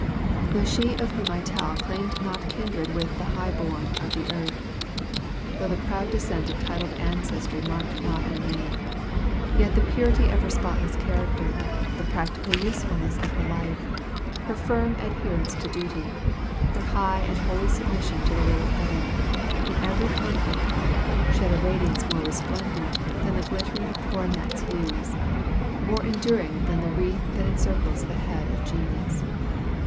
Though she of whom I tell claimed not kindred with the "high born of earth" though the proud descent of titled ancestry marked not her name yet the purity of her spotless character, the practical usefulness of her life, her firm adherence to duty, her high and holy submission to the will of Heaven, in every conflict, shed a radiance more resplendent than the glittering coronet's hues, more enduring than the wreath that encircles the head of genius.